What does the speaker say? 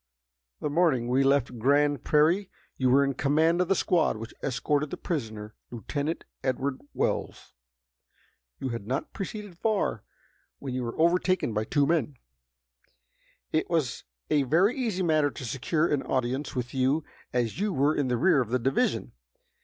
The morning we left Grand Prairie you were in command of the squad which escorted the prisoner, Lieutenant Edward Wells. You had not proceeded far when you were overtaken by two men. It was a very easy matter to secure an audience with you as you were in the rear of the division.